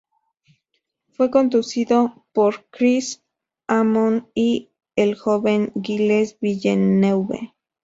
Fue conducido por Chris Amon y el joven Gilles Villeneuve.